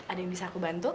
ada yang bisa aku bantu